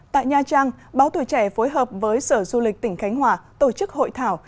tại nha trang báo tuổi trẻ phối hợp với sở du lịch tỉnh khánh hòa tổ chức hội thảo